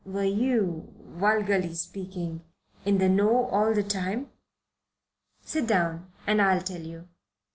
Were you, vulgarly speaking, in the know all the time?" "Sit down, and I'll tell you."